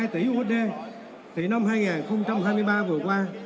hai tỷ usd thì năm hai nghìn hai mươi ba vừa qua